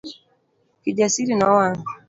Kijasiri nowang'.